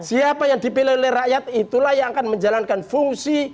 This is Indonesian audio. siapa yang dipilih oleh rakyat itulah yang akan menjalankan fungsi